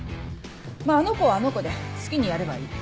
まぁあの子はあの子で好きにやればいい。